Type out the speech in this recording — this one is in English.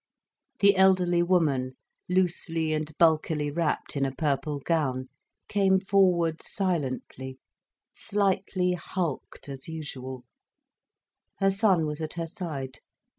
The elderly woman, loosely and bulkily wrapped in a purple gown, came forward silently, slightly hulked, as usual. Her son was at her side.